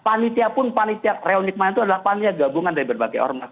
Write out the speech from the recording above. panitia pun panitia reuni kemarin itu adalah panitia gabungan dari berbagai ormas